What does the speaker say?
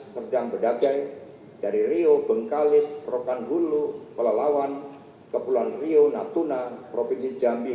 serdang bedakai dari rio bengkalis rokangulu pelawawan kepulan rio natuna provinsi jambi